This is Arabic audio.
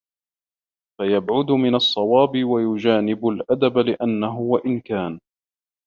فَيَبْعُدُ مِنْ الصَّوَابِ وَيُجَانِبُ الْأَدَبَ ؛ لِأَنَّهُ وَإِنْ كَانَ